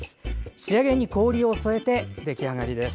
仕上げに氷を添えて出来上がりです。